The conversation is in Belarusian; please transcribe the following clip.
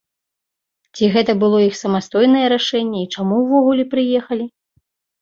Ці гэта было іх самастойнае рашэнне, і чаму ўвогуле прыехалі?